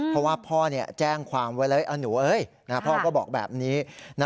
เพราะว่าพ่อแจ้งความไว้แล้วหนูพ่อก็บอกแบบนี้